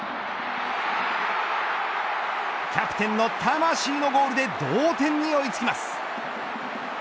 キャプテンの魂のゴールで同点に追いつきます。